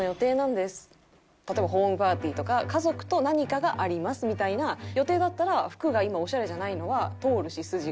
例えばホームパーティーとか家族と何かがありますみたいな予定だったら服が今オシャレじゃないのは通るし筋が。